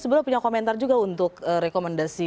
sebelumnya komentar juga untuk rekomendasi